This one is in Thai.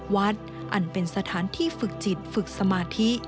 อันเป็นสถานที่ฝึกจิตฝึกสมาธิ